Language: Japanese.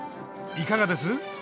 いかがです？